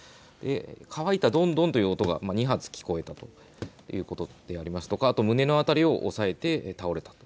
乾いたどんどんという音が２発聞こえたということでありますとか、胸の辺りを押さえて倒れたと。